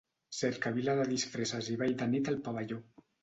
Cercavila de disfresses i ball de nit al pavelló.